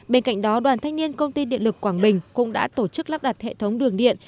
bên cạnh đó đoàn thanh niên công ty điện lực quảng bình cũng đã tổ chức lắp đặt hệ thống đường điện